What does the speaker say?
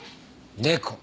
猫。